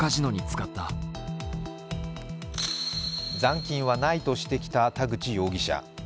残金はないとしてきた田口容疑者。